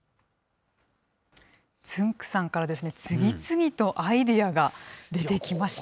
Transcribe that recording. つんく♂さんから次々とアイデアが出てきました。